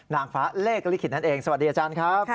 นางฟ้าเลขลิขิตนั่นเองสวัสดีอาจารย์ครับ